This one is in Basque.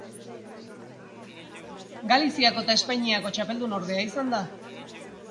Galiziako eta Espainiako txapeldunordea izan da.